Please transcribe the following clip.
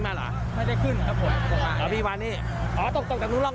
เพราะว่าเดินทาง